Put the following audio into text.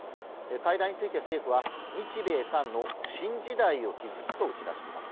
会談について政府は、日米韓の新時代を築くと打ち出しています。